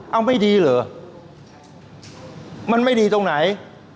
เอาไม่ดีเหรอมันไม่ดีตรงไหน